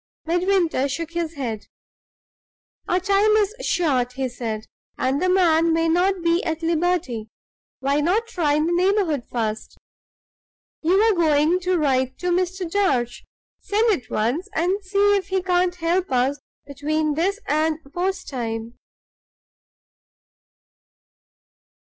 Midwinter shook his head. "Our time is short," he said; "and the man may not be at liberty. Why not try in the neighborhood first? You were going to write to Mr. Darch. Send at once, and see if he can't help us between this and post time."